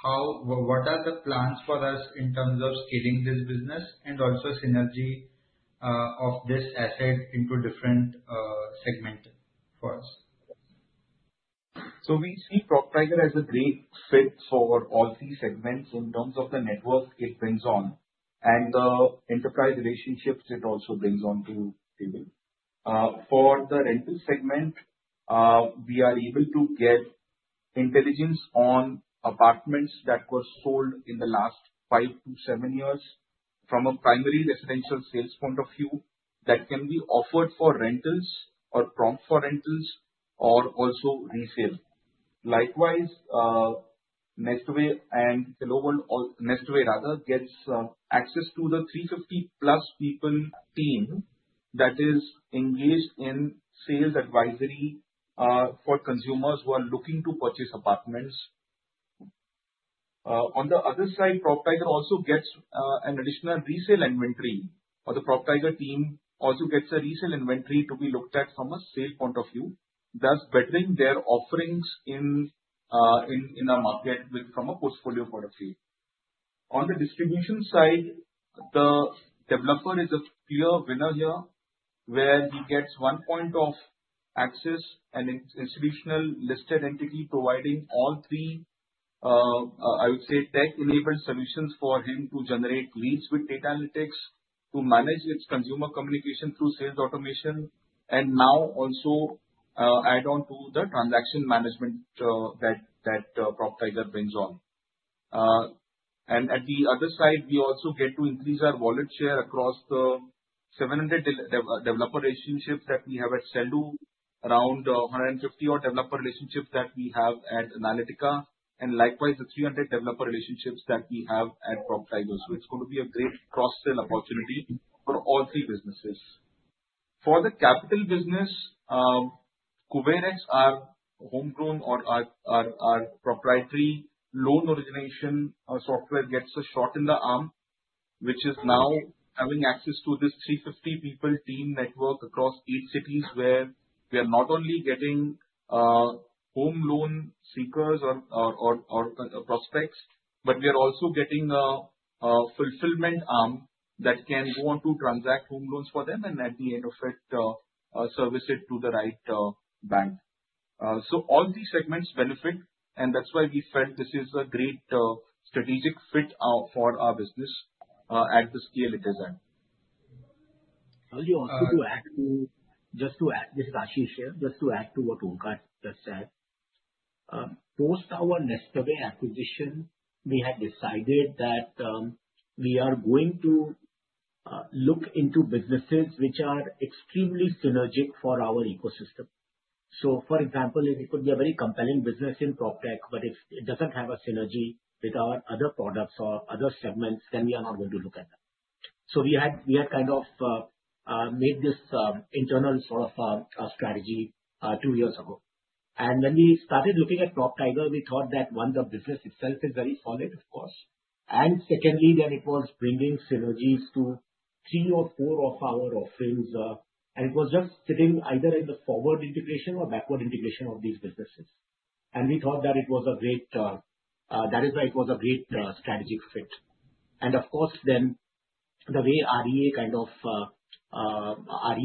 What are the plans for us in terms of scaling this business and also synergy of this asset into different segments for us? We see PropTiger as a great fit for all three segments in terms of the network it brings on and the enterprise relationships it also brings on to. For the rental segment, we are able to get intelligence on apartments that were sold in the last five to seven years from a primary residential sales point of view that can be offered for rentals or prompt for rentals or also resale. Likewise, Nestore and Hello World, Nestore, rather, gets access to the 350+ people team that is engaged in sales advisory for consumers who are looking to purchase apartments. On the other side, PropTiger also gets an additional resale inventory, or the PropTiger team also gets a resale inventory to be looked at from a sales point of view, thus bettering their offerings in a market from a portfolio point of view. On the distribution side, the developer is a clear winner here where he gets one point of access and an institutional listed entity providing all three, I would say, tech-enabled solutions for him to generate leads with data analytics, to manage its consumer communication through sales automation, and now also add on to the transaction management that PropTiger brings on. At the other side, we also get to increase our wallet share across the 700 developer relationships that we have at Sendu, around 150 developer relationships that we have at Aurum Analytica, and likewise the 300 developer relationships that we have at PropTiger. It is going to be a great cross-sell opportunity for all three businesses. For the capital segment, CooperX, our homegrown or our proprietary loan origination software, gets a shot in the arm, which is now having access to this 350 people team network across eight cities where we are not only getting home loan seekers or prospects, but we are also getting a fulfillment arm that can go on to transact home loans for them and at the end of it, service it to the right bank. All these segments benefit, and that's why we felt this is a great strategic fit for our business at the scale it is at. Just to add, this is Ashish Deora, just to add to what Onkar just said. Post our Nestore acquisition, we had decided that we are going to look into businesses which are extremely synergic for our ecosystem. For example, it could be a very compelling business in PropTech, but if it doesn't have a synergy with our other products or other segments, then we are not going to look at them. We had kind of made this internal sort of strategy two years ago. When we started looking at PropTiger, we thought that, one, the business itself is very solid, of course. Secondly, it was bringing synergies to three or four of our offerings. It was just sitting either in the forward integration or backward integration of these businesses. We thought that is why it was a great strategic fit. Of course, the way REA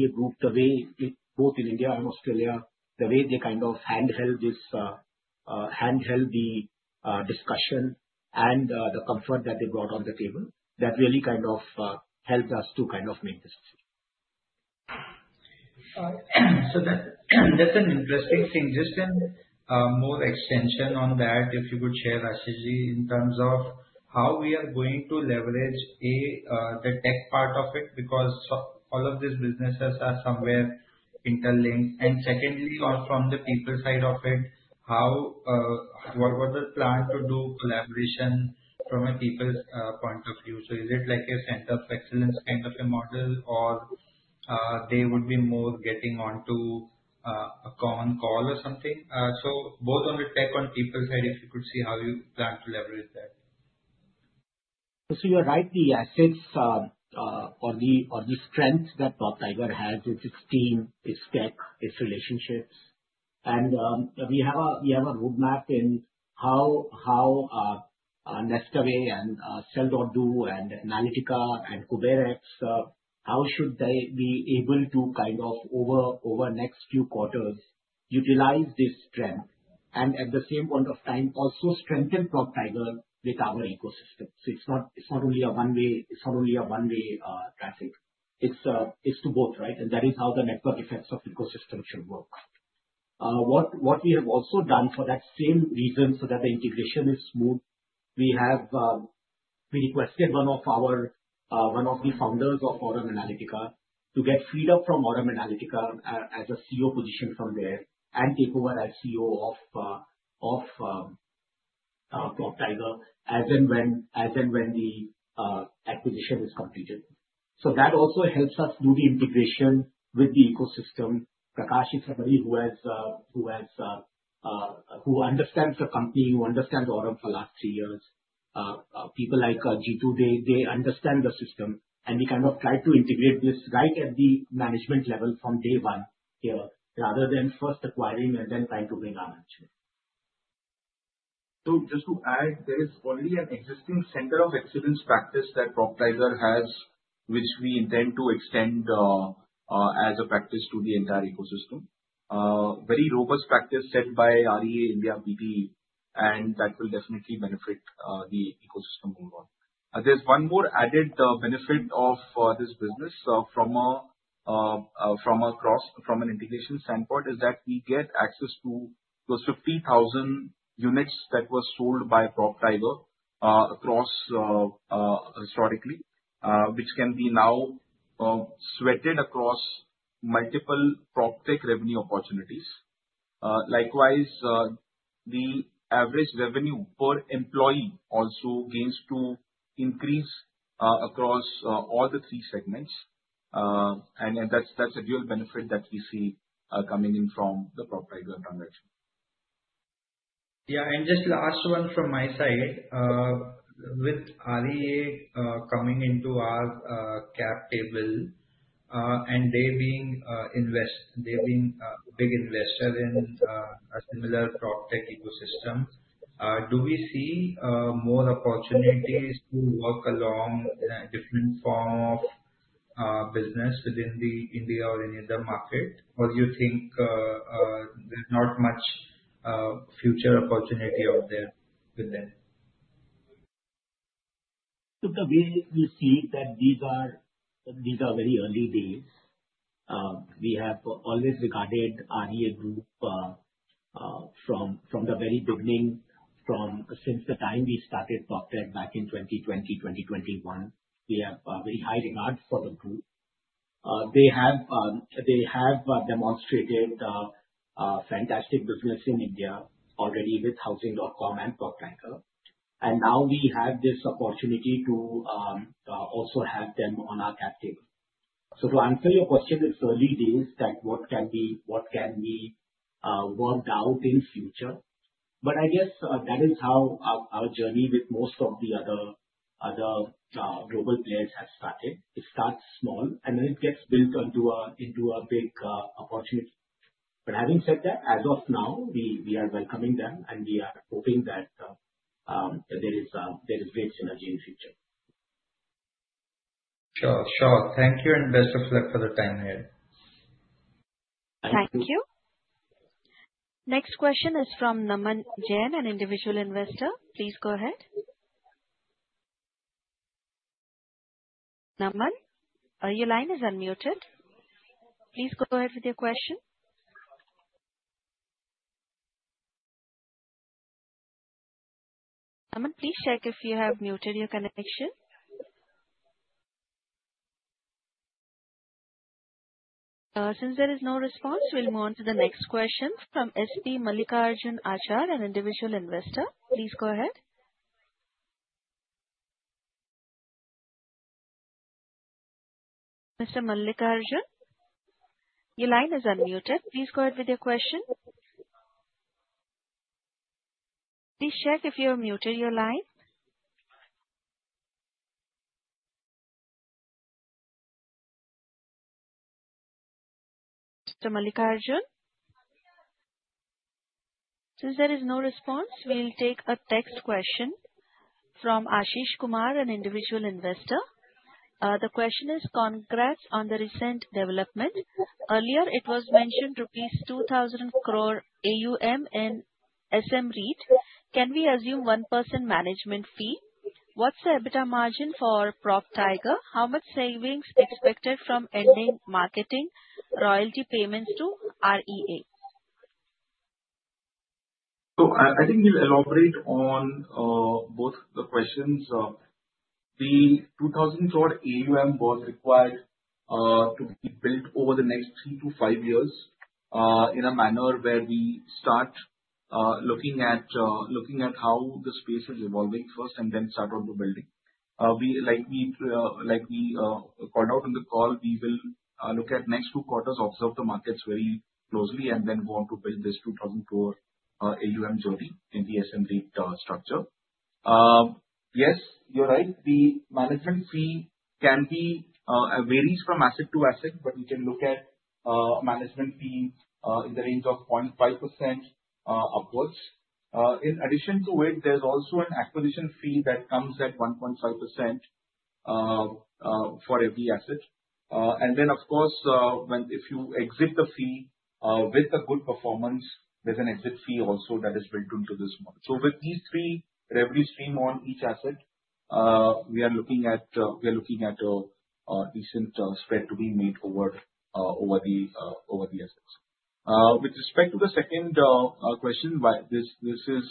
Group, both in India and Australia, the way they kind of handheld the discussion and the comfort that they brought on the table, that really kind of helped us to make this. That's an interesting suggestion. More extension on that, if you could share, Ashish G, in terms of how we are going to leverage the tech part of it because all of these businesses are somewhere interlinked. Secondly, from the people side of it, what was the plan to do collaboration from a people's point of view? Is it like a center of excellence kind of a model, or would they be more getting onto a common call or something? Both on the tech and people side, if you could see how you plan to leverage that. You're right. The assets or the strengths that PropTiger has, it's its team, its tech, its relationships. We have a roadmap in how Nestore and Sell.Do and Aurum Analytica and CooperX, how should they be able to, over the next few quarters, utilize this strength and at the same point of time also strengthen PropTiger with our ecosystem. It's not only a one-way traffic. It's to both, right? That is how the network effects of ecosystems should work. What we have also done for that same reason, so that the integration is smooth, we have requested one of the founders of Aurum Analytica to get feedback from Aurum Analytica as a CEO position from there and take over as CEO of PropTiger as and when the acquisition is completed. That also helps us do the integration with the ecosystem. Rakesh is somebody who understands the company, who understands Aurum for the last three years. People like G2, they understand the system. We kind of try to integrate this right at the management level from day one here rather than first acquiring and then trying to bring our management. There is only an existing center of excellence practice that PropTiger has, which we intend to extend as a practice to the entire ecosystem. A very robust practice set by REA Group India PTE, and that will definitely benefit the ecosystem overall. There's one more added benefit of this business from an integration standpoint: we get access to those 50,000 units that were sold by PropTiger historically, which can now be threaded across multiple PropTech revenue opportunities. Likewise, the average revenue per employee also gains to increase across all the three segments. That's a dual benefit that we see coming in from the PropTiger approach. Yeah. Just the last one from my side, with REA Group coming into our cap table and they being a big investor in a similar PropTech ecosystem, do we see more opportunities to work along a different form of business within India or any other market? Do you think there's not much future opportunity out there within? We see that these are very early days. We have always regarded REA Group from the very beginning, since the time we started PropTech back in 2020, 2021. We have very high regards for the group. They have demonstrated fantastic business in India already with Housing.com and PropTiger. Now we have this opportunity to also have them on our cap table. To answer your question, it's early days that what can be worked out in the future. I guess that is how our journey with most of the other global players has started. It starts small, and then it gets built into a big opportunity. Having said that, as of now, we are welcoming them, and we are hoping that there is great synergy in the future. Sure. Thank you, and best of luck for the time ahead. Thank you. Next question is from Namanjan, an individual investor. Please go ahead. Naman, your line is unmuted. Please go ahead with your question. Naman, please check if you have muted your connection. Since there is no response, we'll move on to the next question from S.P. Malikarjun Achar, an individual investor. Please go ahead. Mr. Malikarjun, your line is unmuted. Please go ahead with your question. Please check if you have muted your line. Mr. Malikarjun, since there is no response, we'll take a text question from Ashish Kumar, an individual investor. The question is, congrats on the recent development. Earlier, it was mentioned rupees 2,000 crore AUM in SM REIT. Can we assume one-person management fee? What's the EBITDA margin for PropTiger? How much savings expected from ending marketing royalty payments to REA? I think we'll elaborate on both the questions. The 2,000 crores AUM was required to be built over the next three to five years in a manner where we start looking at how the space was evolving first and then start on the building. Like we called out on the call, we will look at the next two quarters, observe the markets very closely, and then go on to build this 2,000 crores AUM journey in the SM REIT structure. Yes, you're right. The management fee can be it varies from asset to asset, but we can look at a management fee in the range of 0.5% upwards. In addition to it, there's also an acquisition fee that comes at 1.5% for every asset. Of course, if you exit the fee with a good performance, there's an exit fee also that is built into this model. With these three revenue streams on each asset, we are looking at a decent spread to be made forward over the assets. With respect to the second question, this is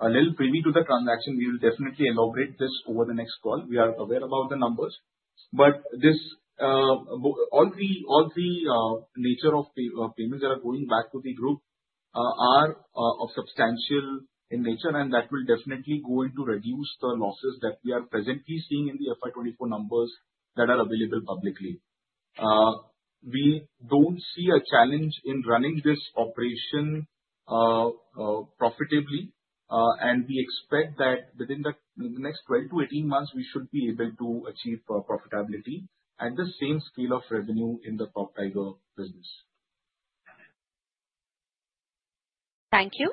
a little preview to the transaction. We will definitely elaborate this over the next call. We are aware about the numbers. All the nature of payments that are going back to the group are substantial in nature, and that will definitely go in to reduce the losses that we are presently seeing in the FY2024 numbers that are available publicly. We don't see a challenge in running this operation profitably, and we expect that within the next 12 to 18 months, we should be able to achieve profitability and the same scale of revenue in the PropTiger business. Thank you.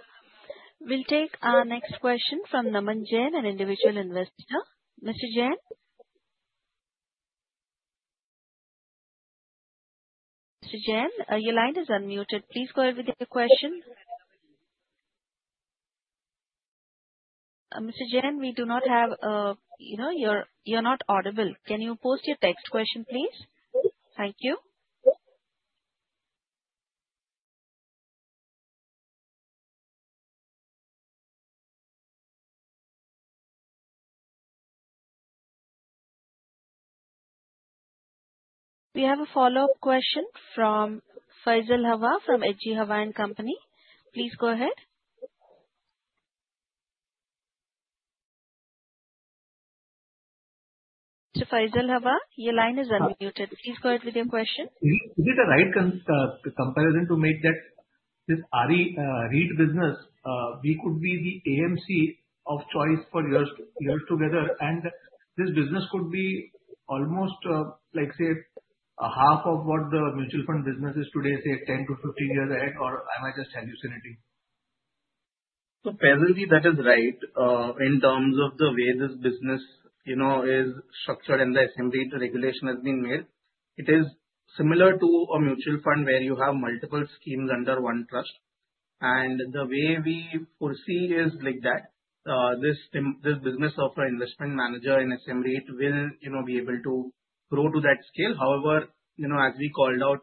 We'll take our next question from Namanjan, an individual investor. Mr. Jain, your line is unmuted. Please go ahead with your question. Mr. Jain, we do not have a, you know, you're not audible. Can you post your text question, please? Thank you. We have a follow-up question from Faisal Hawa from EDGI Hawa & Company. Please go ahead. Mr. Faisal Hawa, your line is unmuted. Please go ahead with your question. Is it the right comparison to make that this REA business, we could be the AMC of choice for years together, and this business could be almost like, say, half of what the mutual fund business is today, say 10-15 years ahead, or am I just hallucinating? That is right in terms of the way this business is structured in the SM REIT regulation that's being made. It is similar to a mutual fund where you have multiple schemes under one trust. The way we foresee is like that. This business of an investment manager in SM REIT will be able to grow to that scale. However, as we called out,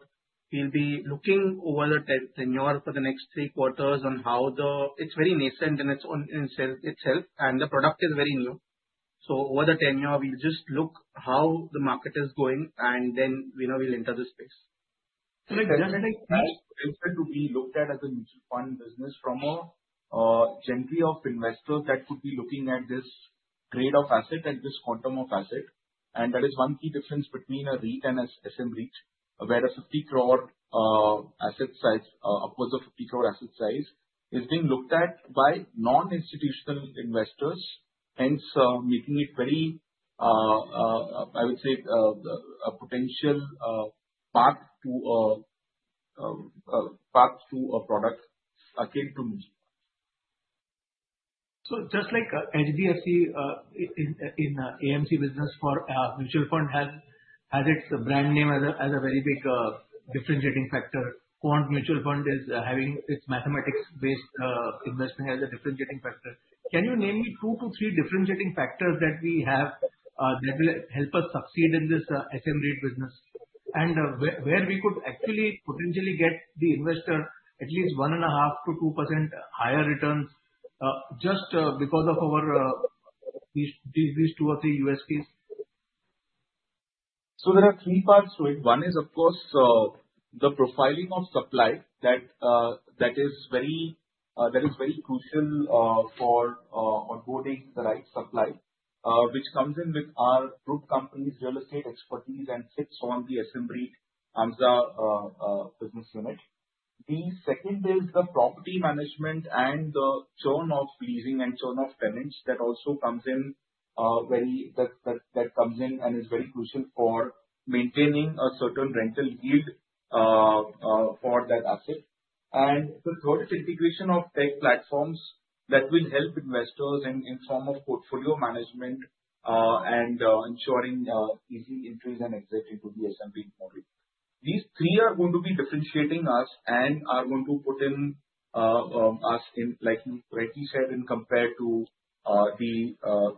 we'll be looking over the tenure for the next three quarters on how it's very nascent in itself, and the product is very new. Over the tenure, we'll just look how the market is going, and then we'll enter the space. It doesn't look like it's going to be looked at as a mutual fund business from a gentry of investors that should be looking at this grade of asset and this quantum of asset. That is one key difference between a REIT and an SM REIT, where an 50 crore asset size, upwards of 50 crore asset size, is being looked at by non-institutional investors, hence making it very, I would say, a potential path to a product akin to mutual funds. Just like HDFC in the AMC business for a mutual fund has its brand name as a very big differentiating factor, Quant mutual fund is having its mathematics-based investment as a differentiating factor. Can you name me two to three differentiating factors that we have that help us succeed in this SM REIT business and where we could actually potentially get the investor at least 1.5%-2% higher returns just because of our these two or three USPs? There are three parts to it. One is, of course, the profiling of supply that is very crucial for onboarding the right supply, which comes in with our group company's real estate expertise and sits on the SM REIT and the business unit. The second is the property management and the churn of leasing and churn of tenants that also comes in and is very crucial for maintaining a certain rental yield for that asset. The third is integration of tech platforms that will help investors in the form of portfolio management and ensuring easy entries and exits into the SM REIT market. These three are going to be differentiating us and are going to put us in, like you rightly said, compared to the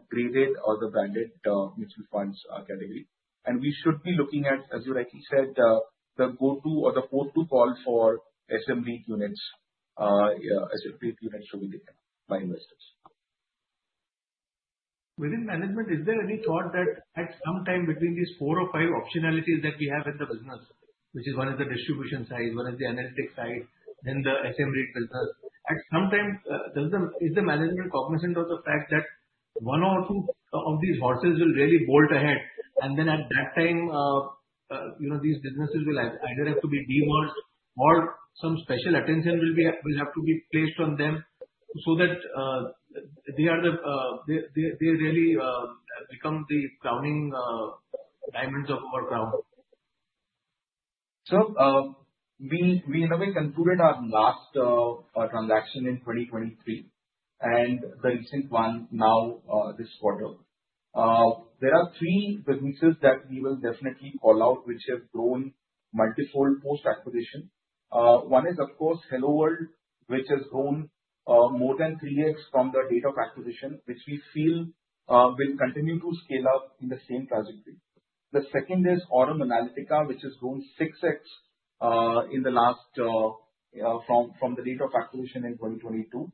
graded or the branded mutual funds category. We should be looking at, as you rightly said, the go-to or the port to call for SM REIT units. SM REIT units should be looked at by investors. Within management, is there any thought that at some time between these four or five optionalities that we have at the business, which is one at the distribution side, one at the analytics side, then the SM REIT filters, at some time is the management cognizant of the fact that one or two of these horses will really bolt ahead? At that time, these businesses will either have to be demerged or some special attention will have to be placed on them so that they really become the crowning diamonds of our crown. We in a way concluded our last transaction in 2023 and the recent one now this quarter. There are three businesses that we will definitely call out which have grown multifold post-acquisition. One is, of course, Hello World, which has grown more than 3X from the date of acquisition, which we feel will continue to scale up in the same trajectory. The second is Aurum Analytica, which has grown 6X from the date of acquisition in 2022.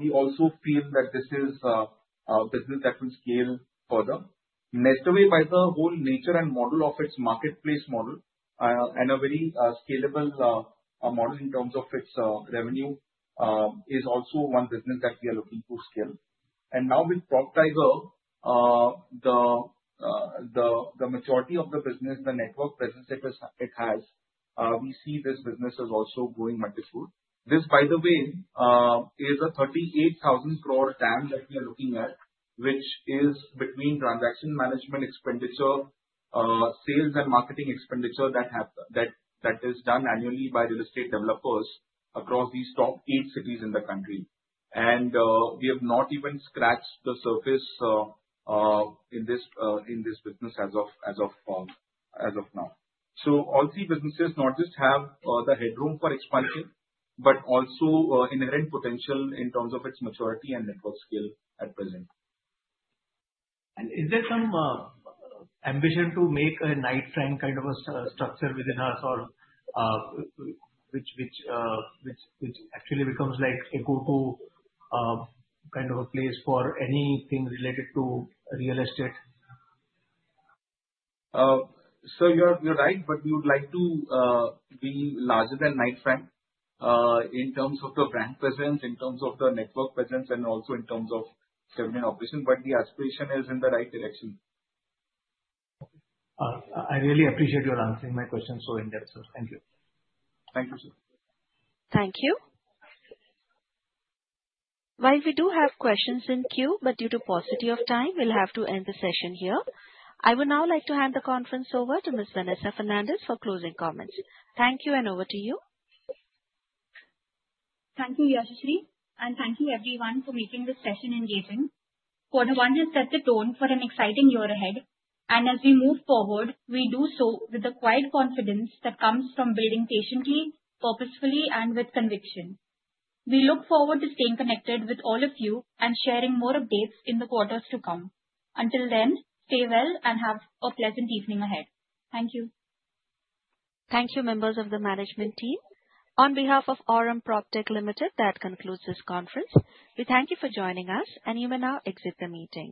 We also feel that this is a business that will scale further. Nestore, by the whole nature and model of its marketplace model and a very scalable model in terms of its revenue, is also one business that we are looking to scale. Now with PropTiger, the majority of the business, the network business it has, we see this business is also growing multifold. This, by the way, is a 38,000 crore TAM that we are looking at, which is between transaction management expenditure, sales and marketing expenditure that is done annually by real estate developers across these top eight cities in the country. We have not even scratched the surface in this business as of now. All three businesses not just have the headroom for expansion, but also inherent potential in terms of its maturity and network scale at present. Is there some ambition to make a nightstand kind of a structure within us or which actually becomes like a go-to kind of a place for anything related to real estate? Sir, you're right, we would like to be larger than NestAway Lite in terms of the brand presence, in terms of the network presence, and also in terms of operations. The aspiration is in the right direction. I really appreciate your answering my question so in-depth, sir. Thank you. Thank you, sir. Thank you. We do have questions in queue, but due to the paucity of time, we'll have to end the session here. I would now like to hand the conference over to Ms. Vanessa Fernandes for closing comments. Thank you, and over to you. Thank you, Ashish. Thank you, everyone, for making this session engaging. Quarter one just set the tone for an exciting year ahead. As we move forward, we do so with the quiet confidence that comes from building patiently, purposefully, and with conviction. We will. Forward. to staying connected with all of you and sharing more updates in the quarters to come. Until then, stay well and have a pleasant evening ahead. Thank you. Thank you, members of the management team. On behalf of Aurum PropTech Limited, that concludes this conference. We thank you for joining us, and you may now exit the meeting.